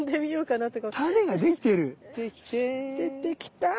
出てきた。